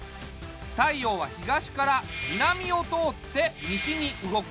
太陽は東から南を通って西に動く。